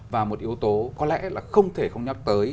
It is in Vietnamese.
và một yếu tố có lẽ là không thể không nhắc tới